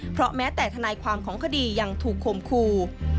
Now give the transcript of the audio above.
เพราะแม้แต่ทนายความของคดียังถูกคมคู่